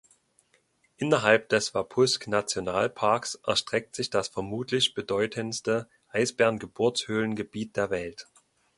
Innerhalb des Wapusk-Nationalparks erstreckt sich das vermutlich bedeutendste Eisbären-Geburtshöhlengebiet der Welt.